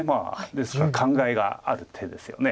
ですから考えがある手ですよね。